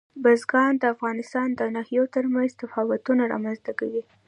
بزګان د افغانستان د ناحیو ترمنځ تفاوتونه رامنځته کوي.